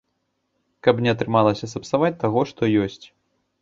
Каб не атрымалася сапсаваць таго, што ёсць.